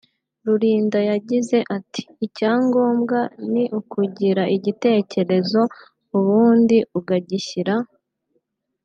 Rulindana yagize ati “ Icyangombwa ni ukugira igitekerezo ubundi ukagishyira